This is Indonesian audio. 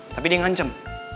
tapi dia ngancem